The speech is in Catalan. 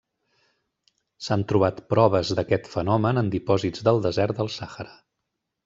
S'han trobat proves d'aquest fenomen en dipòsits del desert del Sàhara.